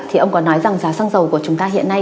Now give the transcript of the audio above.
thì ông có nói rằng giá xăng dầu của chúng ta hiện nay